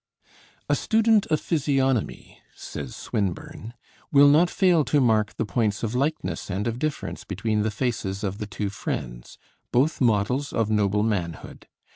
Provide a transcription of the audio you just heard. "A student of physiognomy," says Swinburne, "will not fail to mark the points of likeness and of difference between the faces of the two friends; both models of noble manhood....